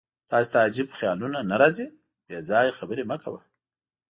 تاسې ته عجیب خیالونه نه راځي؟ بېځایه خبرې مه کوه.